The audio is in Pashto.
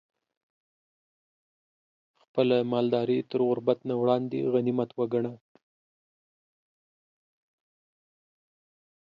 خپله مالداري تر غربت نه وړاندې غنيمت وګڼه